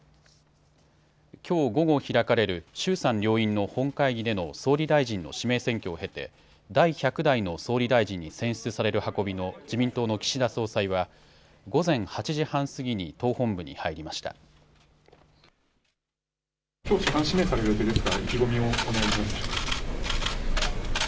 きょう午後、開かれる衆参両院の本会議での総理大臣の指名選挙を経て第１００代の総理大臣に選出される運びの自民党の岸田総裁は午前８時半過ぎに党本部に入りました。